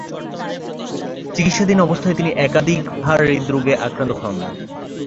চিকিৎসাধীন অবস্থায় তিনি একাধিকবার হৃদরোগে আক্রান্ত হন।